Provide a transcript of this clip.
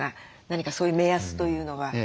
何かそういう目安というのは。